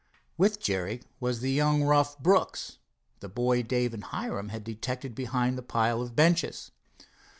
With Jerry was the young rough, Brooks, the boy Dave and Hiram had detected behind the pile of benches.